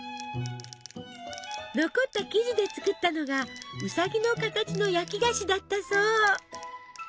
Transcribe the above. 残った生地で作ったのがウサギの形の焼き菓子だったそう。